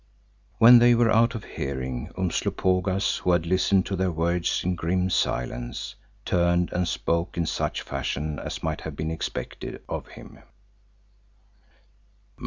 When they were out of hearing Umslopogaas, who had listened to their words in grim silence, turned and spoke in such fashion as might have been expected of him.